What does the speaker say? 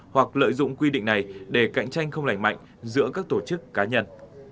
hoặc lợi dụng quy định này để cạnh tranh không lành mạnh giữa các tổ chức cá nhân